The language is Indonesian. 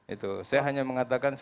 itu saya hanya mengatakan